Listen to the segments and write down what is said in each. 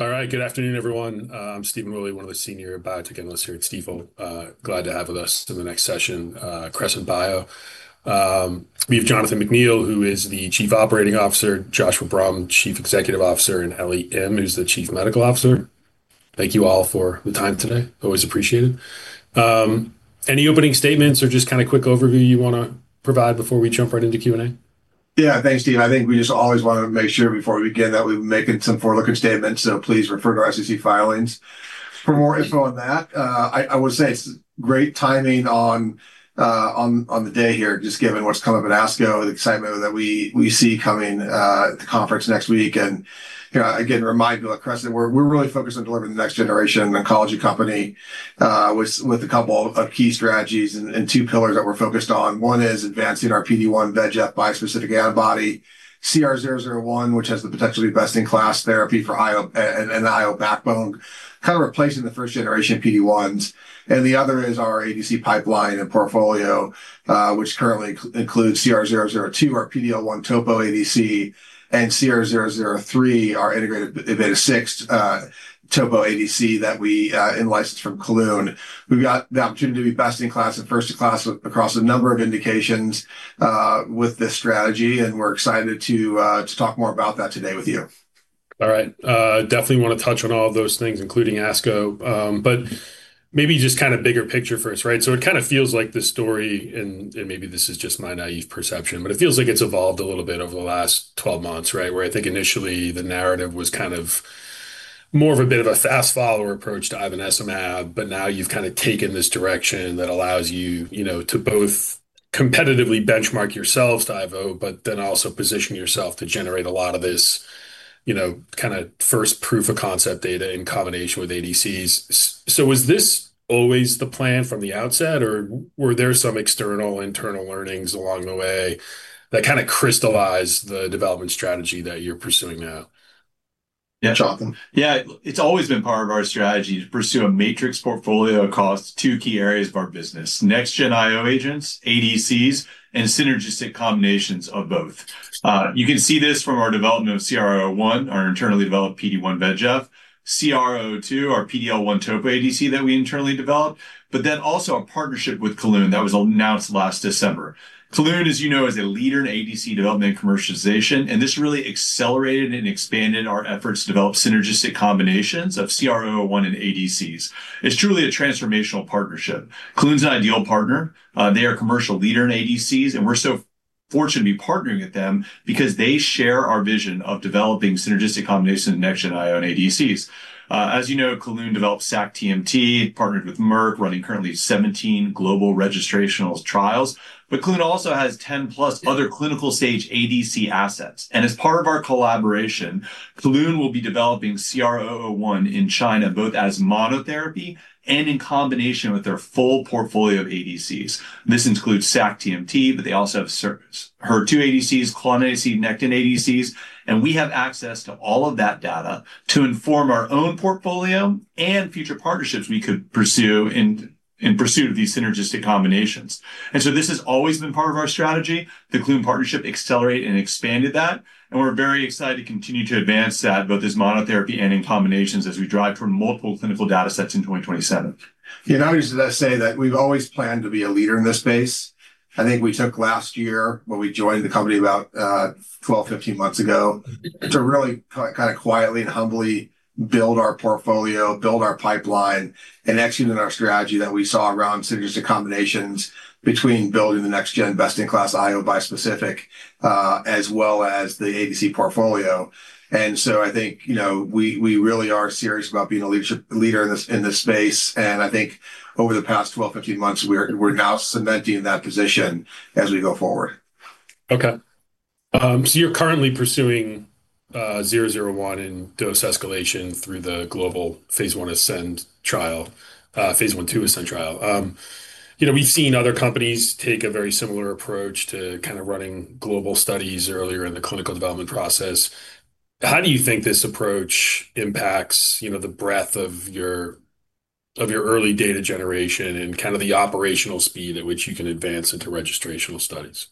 All right. Good afternoon, everyone. I'm Steve Willey, one of the senior biotech analysts here at Stifel. Glad to have with us in the next session, Crescent Biopharma. We have Jonathan McNeill, who is the Chief Operating Officer, Joshua Brumm, Chief Executive Officer, Ellie Im, who's the Chief Medical Officer. Thank you all for the time today. Always appreciated. Any opening statements or just kind of quick overview you want to provide before we jump right into Q&A? Yeah. Thanks, Steve. I think we just always want to make sure before we begin that we've been making some forward-looking statements, so please refer to our SEC filings. For more info on that, I would say it's great timing on the day here, just given what's come up at ASCO, the excitement that we see coming at the conference next week. Again, a reminder that at Crescent, we're really focused on delivering the next generation oncology company, with a couple of key strategies and two pillars that we're focused on. One is advancing our PD-1 VEGF bispecific antibody, CR-001, which has the potential to be best-in-class therapy for IO and IO backbone, kind of replacing the first generation PD-1s. The other is our ADC pipeline and portfolio, which currently includes CR-002, our PD-L1 TOPO ADC, and CR-003, our integrin beta-6 (ITGB6) TOPO ADC that we in-licensed from Kelun. We've got the opportunity to be best in class and first in class across a number of indications with this strategy. We're excited to talk more about that today with you. All right. Definitely want to touch on all of those things, including ASCO, but maybe just kind of bigger picture for us, right? It kind of feels like the story, and maybe this is just my naive perception, but it feels like it's evolved a little bit over the last 12 months, right? Where I think initially the narrative was kind of more of a bit of a fast follower approach to ivonescimab, but now you've kind of taken this direction that allows you to both competitively benchmark yourselves to Ivo, but then also position yourself to generate a lot of this kind of first proof of concept data in combination with ADCs. Was this always the plan from the outset, or were there some external, internal learnings along the way that kind of crystallized the development strategy that you're pursuing now? Yeah. Jonathan. Yeah. It's always been part of our strategy to pursue a matrix portfolio across two key areas of our business, next-gen IO agents, ADCs, and synergistic combinations of both. You can see this from our development of CR-001, our internally developed PD-1/VEGF, CR-002, our PD-L1 TOPO ADC that we internally developed, but then also a partnership with Kelun that was announced last December. Kelun, as you know, is a leader in ADC development commercialization, and this really accelerated and expanded our efforts to develop synergistic combinations of CR-001 and ADCs. It is truly a transformational partnership. Kelun's an ideal partner. They are a commercial leader in ADCs, and we are so fortunate to be partnering with them because they share our vision of developing synergistic combination next-gen IO and ADCs. As you know, Kelun developed Sac-TMT, partnered with Merck, running currently 17 global registrational trials. Kelun also has 10+ other clinical stage ADC assets. As part of our collaboration, Kelun will be developing CR-001 in China, both as monotherapy and in combination with their full portfolio of ADCs. This includes Sac-TMT, they also have several HER2 ADCs, Claudin ADCs, Nectin ADCs, and we have access to all of that data to inform our own portfolio and future partnerships we could pursue in pursuit of these synergistic combinations. This has always been part of our strategy. The Kelun partnership accelerated and expanded that, and we're very excited to continue to advance that, both as monotherapy and in combinations as we drive toward multiple clinical data sets in 2027. You know, I would just say that we've always planned to be a leader in this space. I think we took last year when we joined the company about 12, 15 months ago, to really kind of quietly and humbly build our portfolio, build our pipeline, and execute on our strategy that we saw around synergistic combinations between building the next gen best-in-class IO bispecific, as well as the ADC portfolio. I think we really are serious about being a leader in this space. I think over the past 12, 15 months, we're now cementing that position as we go forward. Okay. You're currently pursuing 001 in dose escalation through the global phase I ASCEND trial, phase I/II ASCEND trial. We've seen other companies take a very similar approach to kind of running global studies earlier in the clinical development process. How do you think this approach impacts the breadth of your early data generation and kind of the operational speed at which you can advance into registrational studies?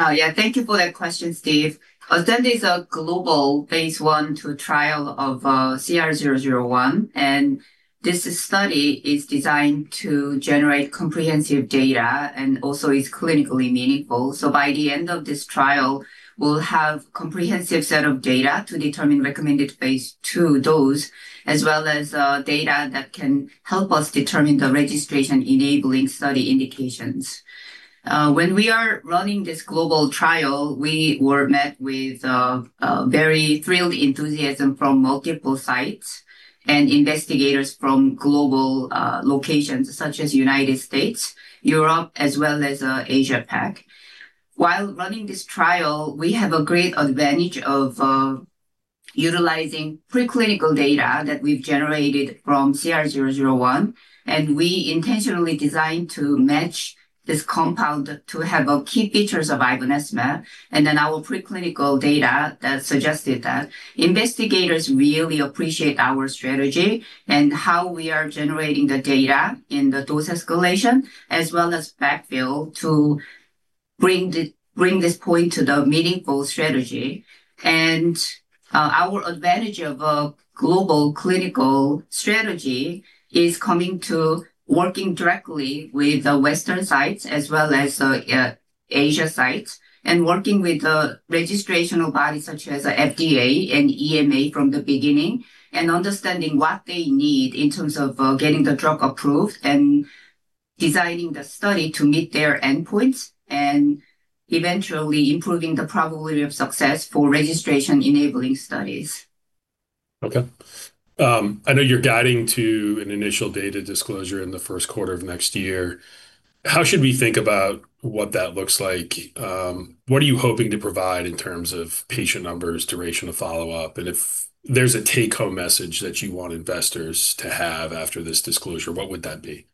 Yeah. Thank you for that question, Steve. ASCEND is a global phase I/II trial of CR-001. This study is designed to generate comprehensive data and also is clinically meaningful. By the end of this trial, we'll have comprehensive set of data to determine recommended phase II dose, as well as data that can help us determine the registration enabling study indications. When we are running this global trial, we were met with very thrilled enthusiasm from multiple sites and investigators from global locations such as U.S., Europe, as well as Asia-Pac. While running this trial, we have a great advantage of utilizing preclinical data that we've generated from CR-001, and we intentionally designed to match this compound to have key features of ivonescimab, and then our preclinical data that suggested that investigators really appreciate our strategy and how we are generating the data in the dose escalation, as well as backfill to bring this point to the meaningful strategy. Our advantage of a global clinical strategy is coming to working directly with the Western sites as well as the Asia sites, and working with the registrational body such as the FDA and EMA from the beginning, and understanding what they need in terms of getting the drug approved and designing the study to meet their endpoints, and eventually improving the probability of success for registration-enabling studies. Okay. I know you're guiding to an initial data disclosure in the first quarter of next year. How should we think about what that looks like? What are you hoping to provide in terms of patient numbers, duration of follow-up? If there's a take-home message that you want investors to have after this disclosure, what would that be?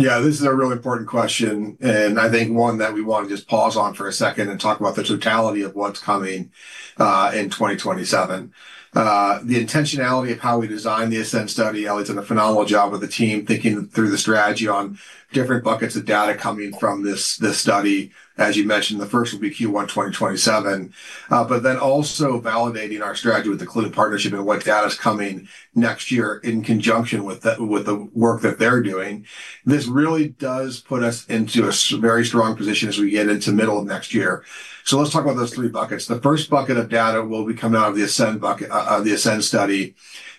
Yeah, this is a really important question. I think one that we want to just pause on for a second and talk about the totality of what's coming in 2027. The intentionality of how we designed the ASCEND study, Ellie's done a phenomenal job with the team, thinking through the strategy on different buckets of data coming from this study. As you mentioned, the first will be Q1 2027. Also validating our strategy with the Kelun partnership and what data's coming next year in conjunction with the work that they're doing. This really does put us into a very strong position as we get into middle of next year. Let's talk about those three buckets. The first bucket of data will be coming out of the ASCEND study.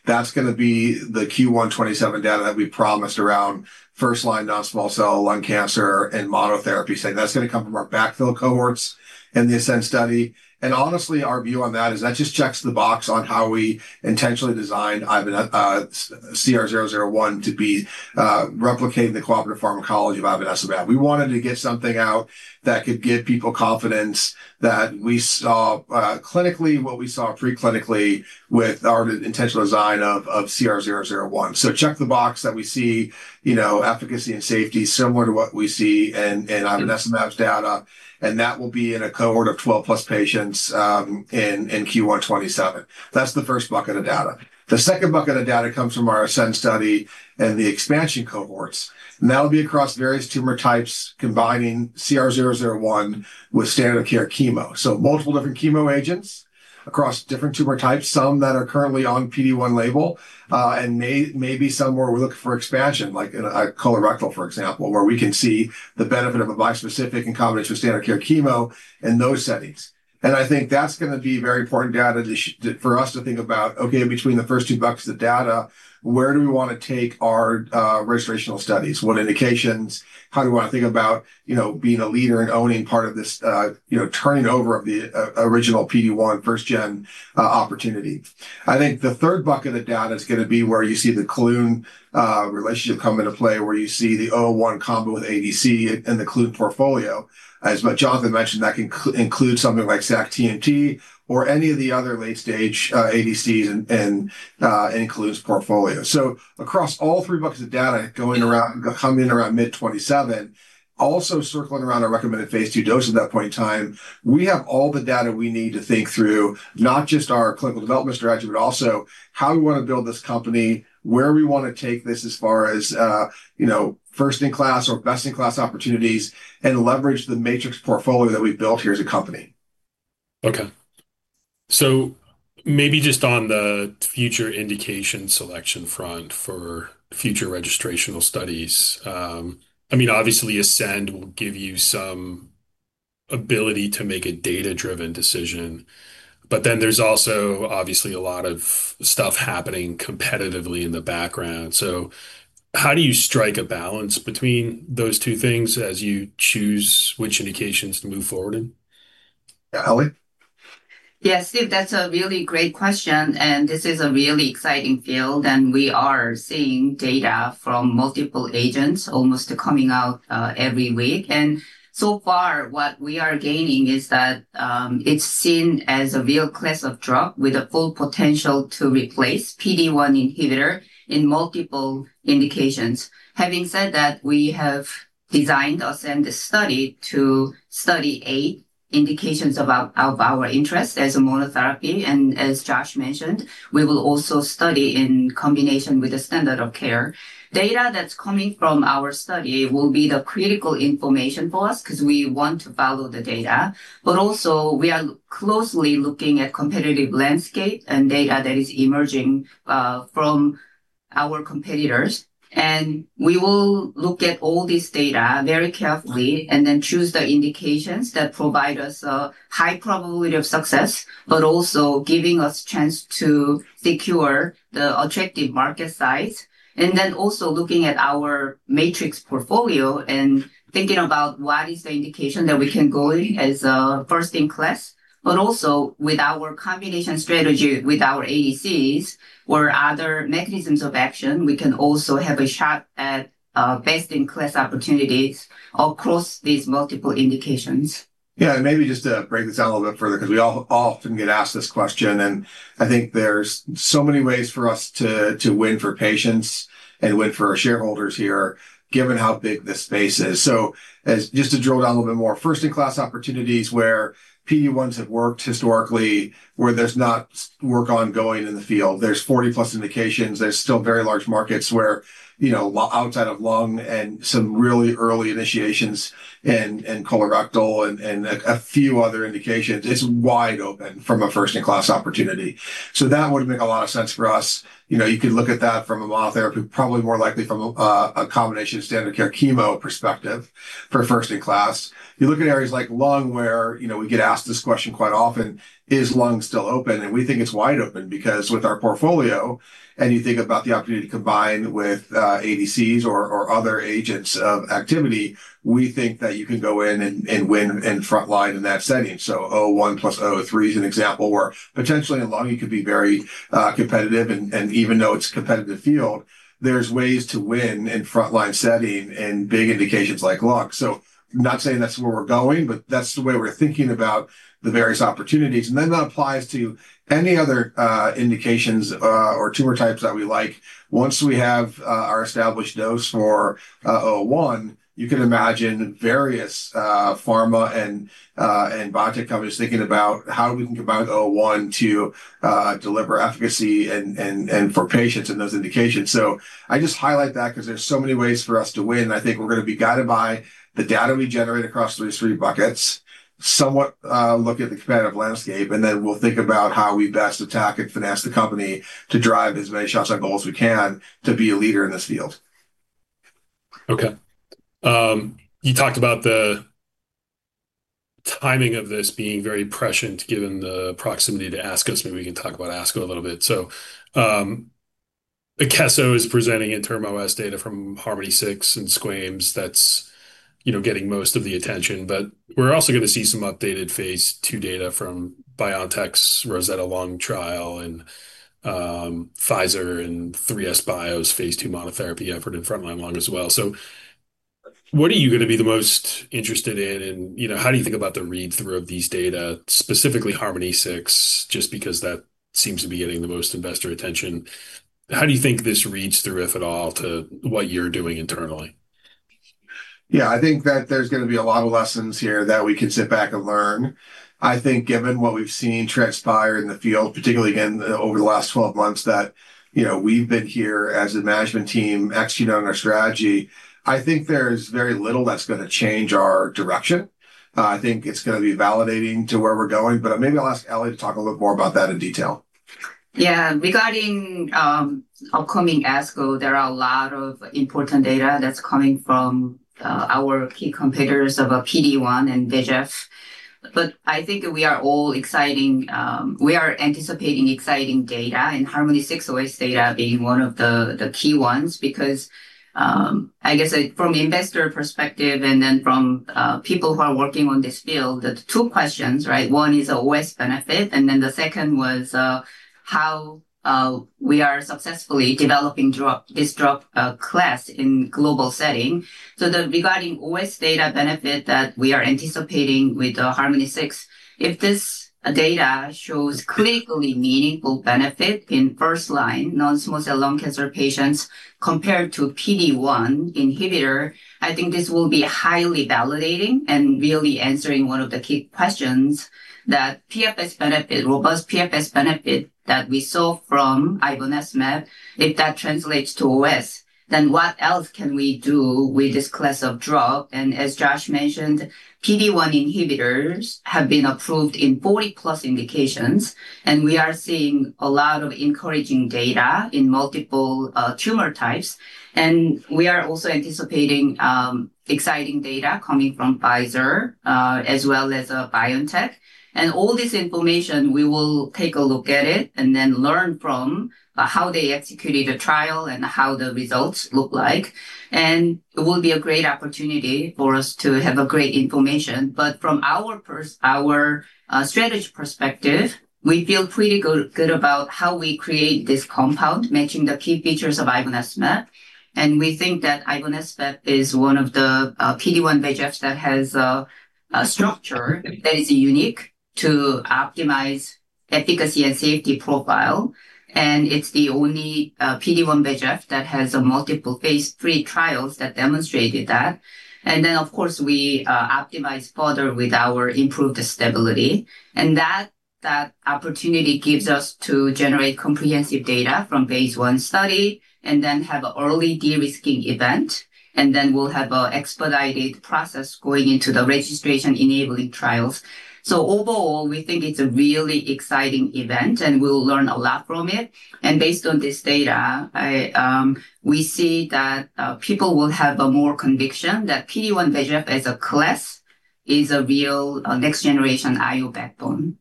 That's going to be the Q1 2027 data that we promised around first-line non-small cell lung cancer and monotherapy, saying that's going to come from our backfill cohorts in the ASCEND study. Honestly, our view on that is that just checks the box on how we intentionally designed CR-001 to be replicating the cooperative pharmacology of ivonescimab. We wanted to get something out that could give people confidence that we saw clinically what we saw pre-clinically with our intentional design of CR-001. Check the box that we see efficacy and safety similar to what we see in ivonescimab's data, and that will be in a cohort of 12+ patients in Q1 2027. That's the first bucket of data. The second bucket of data comes from our ASCEND study and the expansion cohorts, and that'll be across various tumor types, combining CR-001 with standard of care chemo. Multiple different chemo agents across different tumor types, some that are currently on PD-1 label, and maybe some where we're looking for expansion. Like in colorectal, for example, where we can see the benefit of a bispecific in combination with standard of care chemo in those settings. I think that's going to be very important data for us to think about, okay, between the first two buckets of data, where do we want to take our registrational studies? What indications? How do we want to think about being a leader and owning part of this turning over of the original PD-1 first gen opportunity? I think the third bucket of data is going to be where you see the Kelun relationship come into play, where you see the CR-001 combo with ADC and the Kelun portfolio. As Jonathan mentioned, that can include something like sacituzumab or any of the other late stage ADCs in Kelun's portfolio. Across all three buckets of data coming around mid 2027, also circling around our recommended phase II dose at that point in time, we have all the data we need to think through not just our clinical development strategy, but also how we want to build this company, where we want to take this as far as first in class or best in class opportunities, and leverage the matrix portfolio that we've built here as a company. Okay. Maybe just on the future indication selection front for future registrational studies, obviously ASCEND will give you some ability to make a data-driven decision, but then there's also obviously a lot of stuff happening competitively in the background. How do you strike a balance between those two things as you choose which indications to move forward in? Ellie? Yeah, Steve, that's a really great question, and this is a really exciting field, and we are seeing data from multiple agents almost coming out every week. So far, what we are gaining is that it's seen as a real class of drug with a full potential to replace PD-1 inhibitor in multiple indications. Having said that, we have designed or sent a study to study eight indications of our interest as a monotherapy, and as Josh mentioned, we will also study in combination with the standard of care. Data that's coming from our study will be the critical information for us because we want to follow the data. We are closely looking at competitive landscape and data that is emerging from our competitors. We will look at all this data very carefully and then choose the indications that provide us a high probability of success, but also giving us chance to secure the attractive market size. Also looking at our matrix portfolio and thinking about what is the indication that we can go in as a first-in-class. Also, with our combination strategy with our ADCs or other mechanisms of action, we can also have a shot at best-in-class opportunities across these multiple indications. Maybe just to break this down a little bit further, because we all often get asked this question, and I think there's so many ways for us to win for patients and win for our shareholders here, given how big this space is. Just to drill down a little bit more, first-in-class opportunities where PD-1s have worked historically, where there's not work ongoing in the field. There's 40+ indications. There's still very large markets where outside of lung and some really early initiations in colorectal and a few other indications, it's wide open from a first-in-class opportunity. That would make a lot of sense for us. You could look at that from a monotherapy, probably more likely from a combination standard care chemo perspective for first-in-class. You look at areas like lung, where we get asked this question quite often, "Is lung still open?" We think it's wide open because with our portfolio, you think about the opportunity to combine with ADCs or other agents of activity, we think that you can go in and win in frontline in that setting. CR-001 plus CR-003 is an example where potentially in lung, you could be very competitive, and even though it's a competitive field, there's ways to win in frontline setting in big indications like lung. I'm not saying that's where we're going, but that's the way we're thinking about the various opportunities. That applies to any other indications or tumor types that we like. Once we have our established dose for CR-001, you can imagine various pharma and biotech companies thinking about how we can combine CR-001 to deliver efficacy and for patients in those indications. I just highlight that because there's so many ways for us to win. I think we're going to be guided by the data we generate across these three buckets. We'll somewhat look at the competitive landscape, and then we'll think about how we best attack and finance the company to drive as many shots on goal as we can to be a leader in this field. Okay. You talked about the timing of this being very prescient, given the proximity to ASCO. Maybe we can talk about ASCO a little bit. Akeso is presenting interim OS data from HARMONi-6 and [squamous] that's getting most of the attention. We're also going to see some updated phase II data from BioNTech's ROSETTA Lung trial and Pfizer and 3SBio's phase II monotherapy effort in frontline lung as well. What are you going to be the most interested in, and how do you think about the read-through of these data, specifically HARMONi-6, just because that seems to be getting the most investor attention? How do you think this reads through, if at all, to what you're doing internally? Yeah. I think that there's going to be a lot of lessons here that we can sit back and learn. I think given what we've seen transpire in the field, particularly again over the last 12 months, that we've been here as a management team executing on our strategy. I think there's very little that's going to change our direction. I think it's going to be validating to where we're going. Maybe I'll ask Ellie to talk a little more about that in detail. Yeah. Regarding upcoming ASCO, there are a lot of important data that's coming from our key competitors of PD-1 and [bispecific]. I think we are anticipating exciting data, HARMONi-6 OS data being one of the key ones because, I guess from investor perspective and from people who are working on this field, the two questions, right? One is OS benefit, the second was how we are successfully developing this drug class in global setting. Regarding OS data benefit that we are anticipating with the HARMONi-6, if this data shows clinically meaningful benefit in first-line non-small cell lung cancer patients compared to PD-1 inhibitor, I think this will be highly validating and really answering one of the key questions that PFS benefit, robust PFS benefit that we saw from ivonescimab, if that translates to OS, then what else can we do with this class of drug? As Josh mentioned, PD-1 inhibitors have been approved in 40+ indications, and we are seeing a lot of encouraging data in multiple tumor types. We are also anticipating exciting data coming from Pfizer, as well as BioNTech. All this information, we will take a look at it and then learn from how they executed the trial and how the results look like. It will be a great opportunity for us to have a great information. From our strategy perspective, we feel pretty good about how we create this compound, matching the key features of ivonescimab. We think that ivonescimab is one of the PD-1 bispecific that has a structure that is unique to optimize efficacy and safety profile. It's the only PD-1 bispecific that has a multiple phase III trials that demonstrated that. Of course, we optimize further with our improved stability. That opportunity gives us to generate comprehensive data from phase I study and then have an early de-risking event, and then we'll have an expedited process going into the registration enabling trials. Overall, we think it's a really exciting event, and we'll learn a lot from it. Based on this data, we see that people will have more conviction that PD-1 VEGF as a class is a real next-generation IO backbone.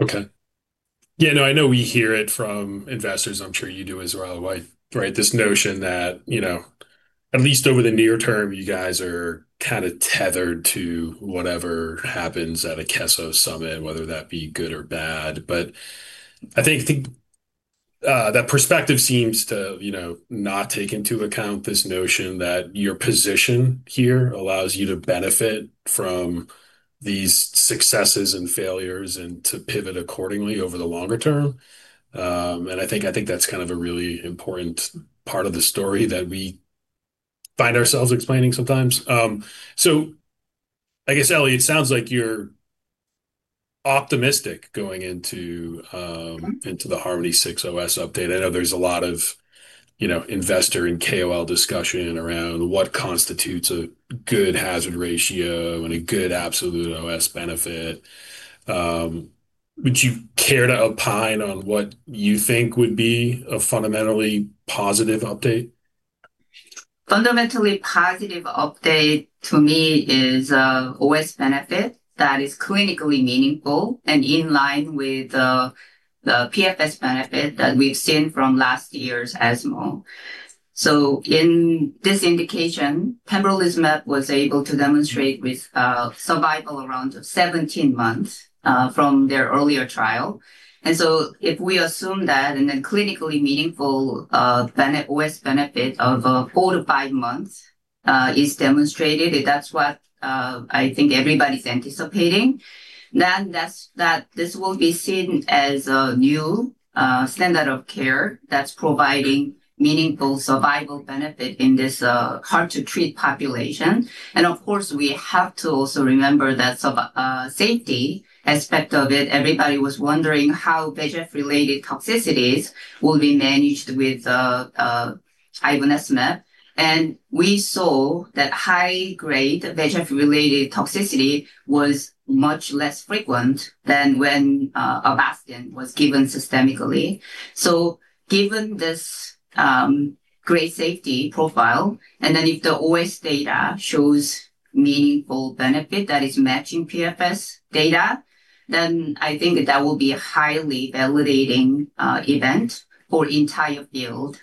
Okay. Yeah, no, I know we hear it from investors. I'm sure you do as well. Right? This notion that at least over the near term, you guys are kind of tethered to whatever happens at Akeso, Summit, whether that be good or bad. I think that perspective seems to not take into account this notion that your position here allows you to benefit from these successes and failures and to pivot accordingly over the longer term. I think that's a really important part of the story that we find ourselves explaining sometimes. I guess, Ellie, it sounds like you're optimistic going into. into the HARMONi-6 OS update. I know there's a lot of investor and KOL discussion around what constitutes a good hazard ratio and a good absolute OS benefit. Would you care to opine on what you think would be a fundamentally positive update? Fundamentally positive update to me is OS benefit that is clinically meaningful and in line with the PFS benefit that we've seen from last year's ESMO. In this indication, pembrolizumab was able to demonstrate with survival around 17 months from their earlier trial. If we assume that, and then clinically meaningful OS benefit of four to five months is demonstrated, that's what I think everybody's anticipating, then this will be seen as a new standard of care that's providing meaningful survival benefit in this hard-to-treat population. Of course, we have to also remember that safety aspect of it. Everybody was wondering how VEGF-related toxicities will be managed with ivonescimab, and we saw that high-grade VEGF-related toxicity was much less frequent than when Avastin was given systemically. Given this great safety profile, and then if the OS data shows meaningful benefit that is matching PFS data, then I think that will be a highly validating event for the entire field.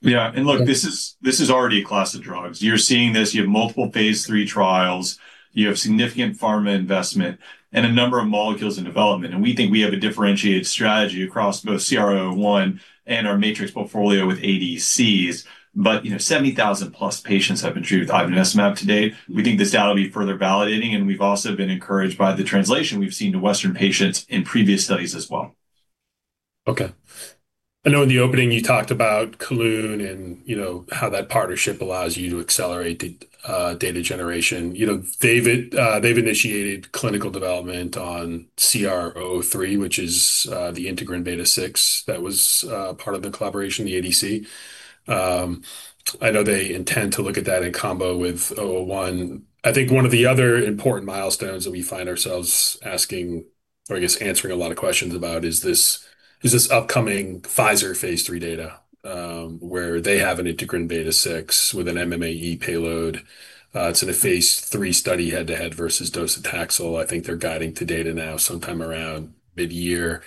Yeah. Look, this is already a class of drugs. You're seeing this. You have multiple phase III trials. You have significant pharma investment and a number of molecules in development. We think we have a differentiated strategy across both CR-001 and our matrix portfolio with ADCs. 70,000+ patients have been treated with ivonescimab to date. We think this data will be further validating, and we've also been encouraged by the translation we've seen to Western patients in previous studies as well. Okay. I know in the opening you talked about Kelun and how that partnership allows you to accelerate the data generation. They've initiated clinical development on CR003, which is the integrin beta-6 that was part of the collaboration, the ADC. I know they intend to look at that in combo with CR-001. I think one of the other important milestones that we find ourselves asking, or I guess answering a lot of questions about, is this upcoming Pfizer phase III data, where they have an integrin beta-6 with an MMAE payload. It's in a phase III study head-to-head versus docetaxel. I think they're guiding to data now sometime around mid-year.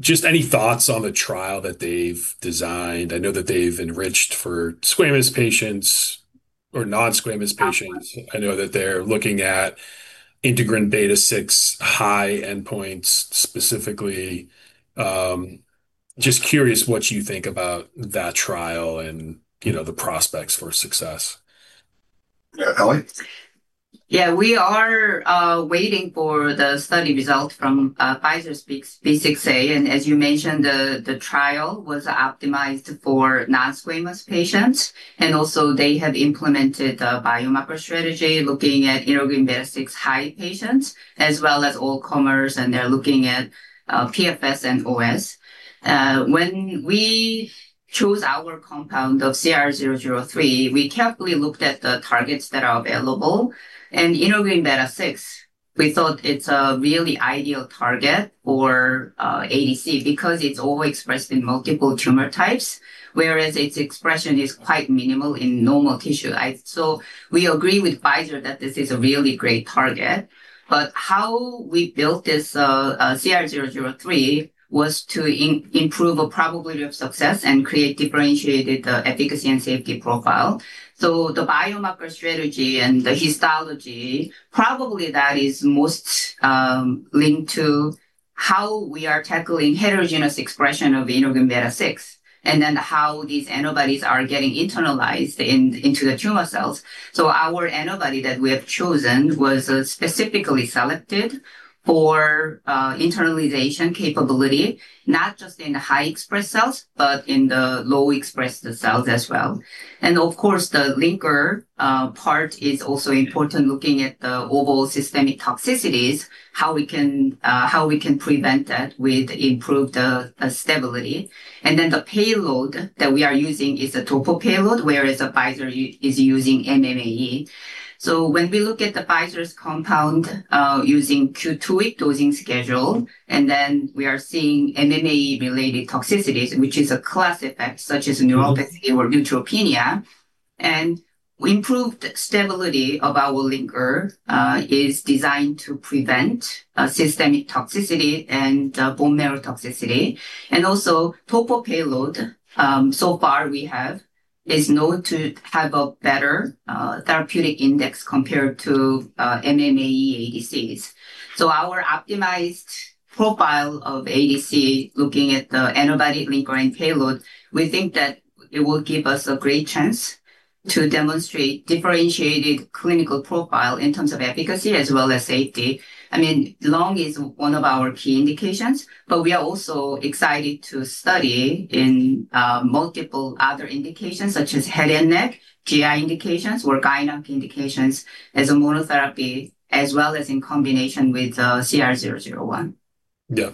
Just any thoughts on the trial that they've designed? I know that they've enriched for squamous patients or non-squamous patients. I know that they're looking at integrin beta-6-high endpoints specifically. Just curious what you think about that trial and the prospects for success? Ellie? Yeah, we are waiting for the study results from Pfizer's SGN-B6A. As you mentioned, the trial was optimized for non-squamous patients, also they have implemented a biomarker strategy looking at integrin beta-6 high patients, as well as all comers, and they're looking at PFS and OS. When we chose our compound of CR003, we carefully looked at the targets that are available, and integrin beta-6, we thought it's a really ideal target for ADC because it's overexpressed in multiple tumor types, whereas its expression is quite minimal in normal tissue. We agree with Pfizer that this is a really great target. How we built this CR003 was to improve the probability of success and create differentiated efficacy and safety profile. The biomarker strategy and the histology, probably that is most linked to how we are tackling heterogeneous expression of integrin beta-6, and then how these antibodies are getting internalized into the tumor cells. Our antibody that we have chosen was specifically selected for internalization capability, not just in the high express cells, but in the low express cells as well. Of course, the linker part is also important, looking at the overall systemic toxicities, how we can prevent that with improved stability. The payload that we are using is a topoisomerase payload, whereas Pfizer is using MMAE. When we look at Pfizer's compound, using Q2-week dosing schedule, and then we are seeing MMAE-related toxicities, which is a class effect such as neuropathy or neutropenia. Improved stability of our linker is designed to prevent systemic toxicity and bone marrow toxicity. Also topoisomerase payload, so far we have, is known to have a better therapeutic index compared to MMAE ADCs. Our optimized profile of ADC, looking at the antibody linker and payload, we think that it will give us a great chance to demonstrate differentiated clinical profile in terms of efficacy as well as safety. I mean, lung is one of our key indications, but we are also excited to study in multiple other indications such as head and neck, GI indications or gynecologic indications as a monotherapy as well as in combination with CR-001. Yeah.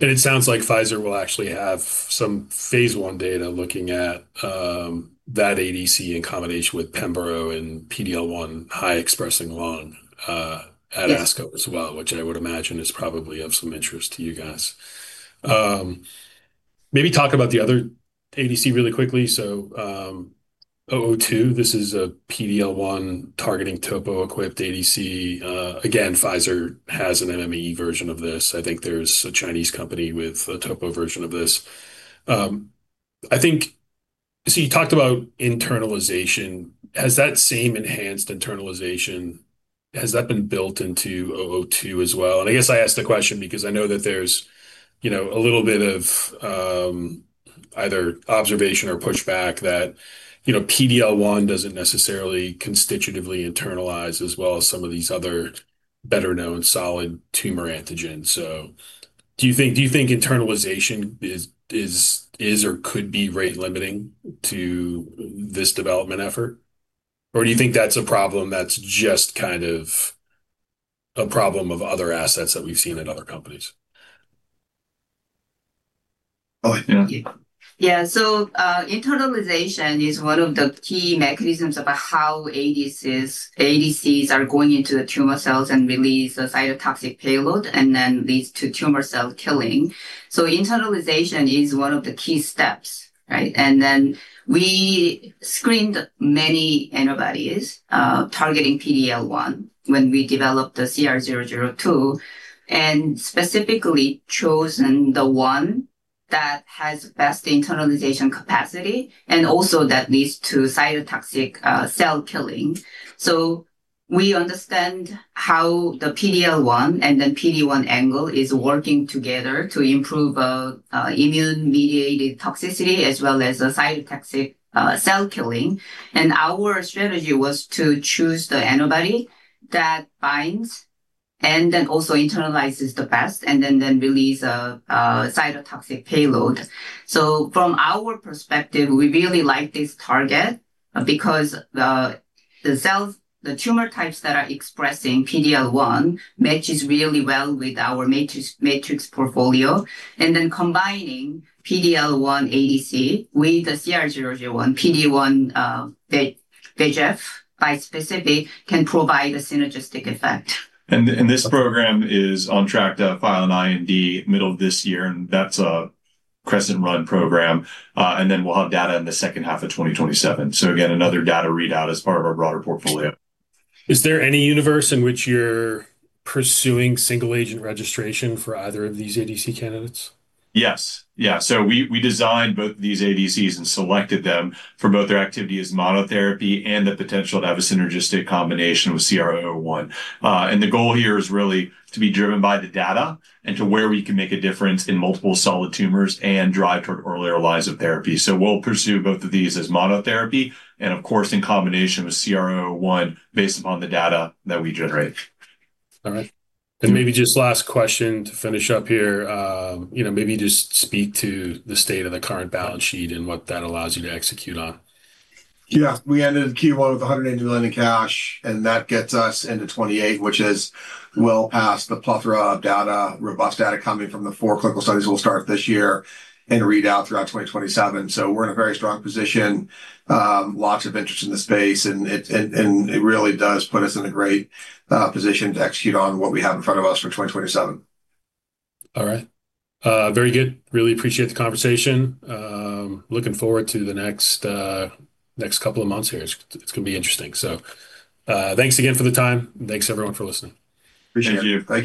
It sounds like Pfizer will actually have some phase I data looking at that ADC in combination with pembro and PD-L1 high expressing lung- Yes at ASCO as well, which I would imagine is probably of some interest to you guys. Maybe talk about the other ADC really quickly. CR-002, this is a PD-L1 targeting topoisomerase-equipped ADC. Again, Pfizer has an MMAE version of this. I think there's a Chinese company with a topoisomerase version of this. You talked about internalization. Has that same enhanced internalization, has that been built into CR-002 as well? I guess I ask the question because I know that there's a little bit of either observation or pushback that PD-L1 doesn't necessarily constitutively internalize as well as some of these other better-known solid tumor antigens. Do you think internalization is or could be rate-limiting to this development effort? Or do you think that's a problem that's just kind of a problem of other assets that we've seen at other companies? Oh, yeah. Internalization is one of the key mechanisms about how ADCs are going into the tumor cells and release a cytotoxic payload and then leads to tumor cell killing. Internalization is one of the key steps, right? We screened many antibodies targeting PD-L1 when we developed the CR-002, and specifically chosen the one that has best internalization capacity and also that leads to cytotoxic cell killing. We understand how the PD-L1 and then PD-1 angle is working together to improve immune-mediated toxicity as well as the cytotoxic cell killing. Our strategy was to choose the antibody that binds and then also internalizes the best, and then release a cytotoxic payload. From our perspective, we really like this target because the tumor types that are expressing PD-L1 matches really well with our matrix portfolio, and then combining PD-L1 ADC with the CR-001 PD-1 VEGF bispecific can provide a synergistic effect. This program is on track to file an IND middle of this year, and that's a Crescent run program. We'll have data in the second half of 2027. Again, another data readout as part of our broader portfolio. Is there any universe in which you're pursuing single agent registration for either of these ADC candidates? Yes. Yeah. We designed both these ADCs and selected them for both their activity as monotherapy and the potential to have a synergistic combination with CR-001. The goal here is really to be driven by the data and to where we can make a difference in multiple solid tumors and drive toward earlier lines of therapy. We'll pursue both of these as monotherapy and of course, in combination with CR-001 based upon the data that we generate. All right. Maybe just last question to finish up here. Maybe just speak to the state of the current balance sheet and what that allows you to execute on? Yeah. We ended Q1 with $180 million in cash, and that gets us into 2028, which is well past the plethora of data, robust data coming from the four clinical studies we'll start this year and read out throughout 2027. We're in a very strong position. Lots of interest in the space, and it really does put us in a great position to execute on what we have in front of us for 2027. All right. Very good. Really appreciate the conversation. Looking forward to the next couple of months here. It's going to be interesting. Thanks again for the time. Thanks everyone for listening. Appreciate it. Thank you.